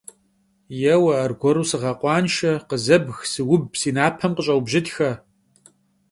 Yêue, argueru sığekhuanşşe, khızebg, sıub, si napem khış'eubjıtxe!